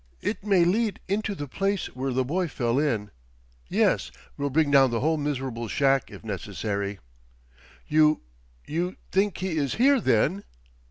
It may lead into the place where the boy fell in. Yes; we'll bring down the whole miserable shack if necessary." "You you think he is here, then?"